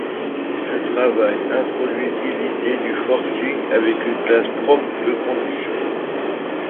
Ce travail introduisit l'idée du forcing avec une classe propre de conditions.